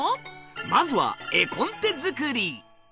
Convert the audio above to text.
まずは絵コンテ作り。